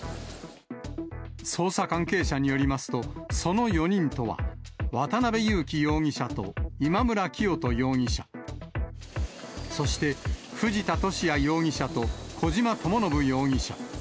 捜査関係者によりますと、その４人とは、渡辺優樹容疑者と今村磨人容疑者、そして、藤田聖也容疑者と小島智信容疑者。